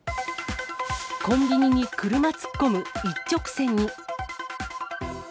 コンビニに車突っ込む、一直線に。